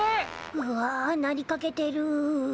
うわなりかけてる。